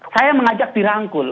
saya mengajak dirangkul